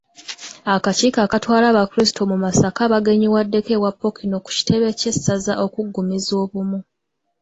Akakiiko akatwala abakrisitu mu Masaka bagenyiwaddeko ewa Ppookino ku kitebe kye ssaza okuggumizza obumu.